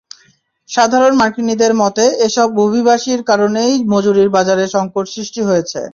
সাধারণ মার্কিনিদের মতে, এসব অভিবাসীর কারণেই মজুরির বাজারে সংকট সৃষ্টি হয়েছে।